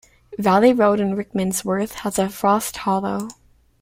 Valley Road in Rickmansworth has a frost hollow.